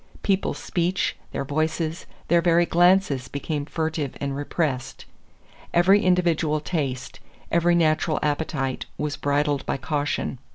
People's speech, their voices, their very glances, became furtive and repressed. Every individual taste, every natural appetite, was bridled by caution.